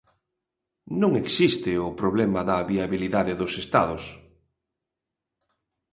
Non existe o problema da viabilidade dos Estados.